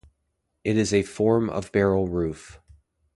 It is a form of barrel roof.